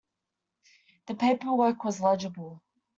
The paperwork was legible.